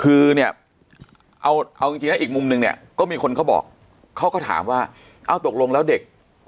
คือเนี่ยเอาจริงนะอีกมุมนึงเนี่ยก็มีคนเขาบอกเขาก็ถามว่าเอ้าตกลงแล้วเด็ก